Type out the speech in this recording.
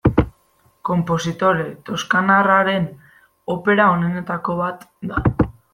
Konpositore toskanarraren opera onenetako bat da.